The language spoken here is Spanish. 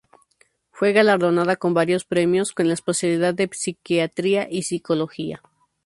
Fue galardonada con varios premios en la especialidad de psiquiatra y psicología.